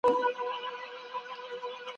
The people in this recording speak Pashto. اسلامي پوهان باید خلګ بیداره کړي.